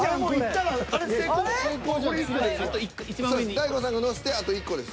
大悟さんが載せてあと１個です。